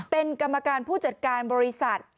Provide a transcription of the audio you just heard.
เป็นกรรมการผู้จัดการบริษัท